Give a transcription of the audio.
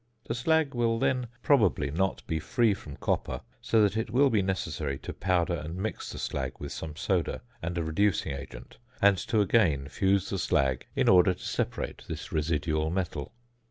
The slag then will probably not be free from copper, so that it will be necessary to powder and mix the slag with some soda and a reducing agent, and to again fuse the slag in order to separate this residual metal.